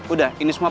udah ini semua